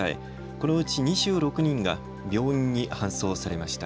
このうち２６人が病院に搬送されました。